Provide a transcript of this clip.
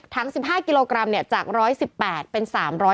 ถัง๑๕กิโลกรัมเนี่ยจาก๑๑๘เป็น๓๓๓